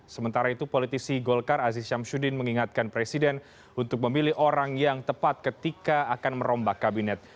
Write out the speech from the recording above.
sementara itu politisi golkar aziz syamsuddin mengingatkan presiden untuk memilih orang yang tepat ketika akan merombak kabinet